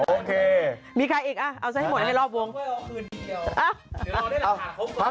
โอเคมีใครอีกไหมเอาสะให้หมดให้รอบวง